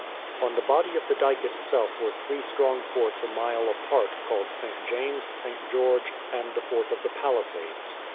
On the body of the dyke itself were three strong forts a mile apart, called St. James, St. George, and the Fort of the Palisades.